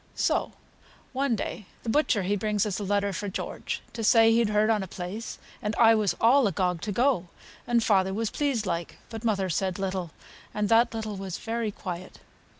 So, one day, th' butcher he brings us a letter fra George, to say he'd heard on a place and I was all agog to go, and father was pleased, like; but mother said little, and that little was very quiet.